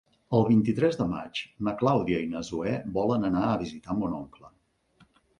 El vint-i-tres de maig na Clàudia i na Zoè volen anar a visitar mon oncle.